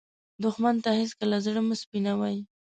دښمن ته هېڅکله زړه مه سپينوې